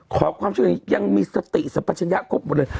ขอความช่วยเหลือยังมีสติสัมปัชญะครบหมดเลย